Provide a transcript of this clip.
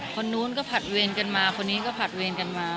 คนนู้นก็ผัดเวรกันมาคนนี้ก็ผัดเวรกันมา